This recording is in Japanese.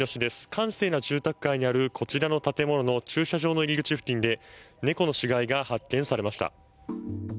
閑静な住宅街にあるこちらの建物の駐車場の入り口付近で猫の死骸が発見されました。